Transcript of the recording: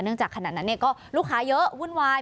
เนื่องจากขนาดนั้นเนี่ยก็ลูกค้าเยอะวุ่นวาย